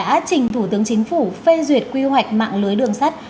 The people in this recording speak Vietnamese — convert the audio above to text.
đã trình thủ tướng chính phủ phê duyệt quy hoạch mạng lưới đường sắt